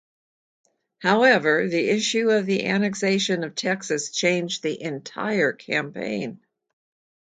However, the issue of the annexation of Texas changed the entire campaign.